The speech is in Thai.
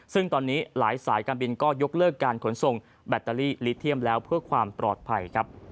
ซึ่งตอนนี้หลายสายการบินก็ยกเลิกการขนส่งแบตเตอรี่ลิเทียมแล้วเพื่อความปลอดภัยครับ